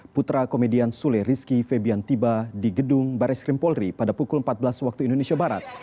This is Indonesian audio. putra komedian sule rizky febian tiba di gedung baris krim polri pada pukul empat belas waktu indonesia barat